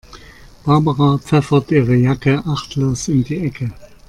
Barbara pfeffert ihre Jacke achtlos in die Ecke.